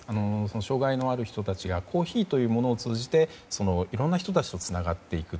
障害のある人たちがコーヒーというものを通じていろんな人たちとつながっていく。